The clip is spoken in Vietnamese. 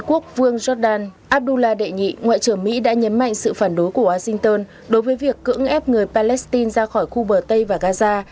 quốc vương jordan abdullah đệ nhị ngoại trưởng mỹ đã nhấn mạnh sự phản đối của washington đối với việc cưỡng ép người palestine ra khỏi khu bờ tây và gaza